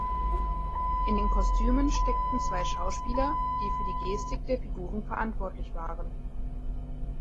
In den Kostümen steckten zwei Schauspieler, die für die Gestik der Figuren verantwortlich waren.